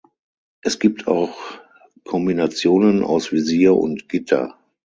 Es gibt auch Kombinationen aus Visier und Gitter.